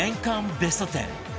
ベスト１０